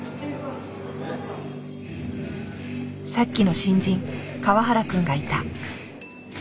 さっきの新人河原くんがいた。